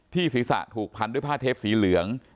ศีรษะถูกพันด้วยผ้าเทปสีเหลือง